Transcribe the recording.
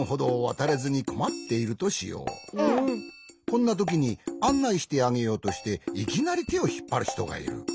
こんなときにあんないしてあげようとしていきなりてをひっぱるひとがいる。